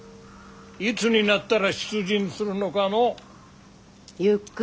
いつになったら出陣するのかのう。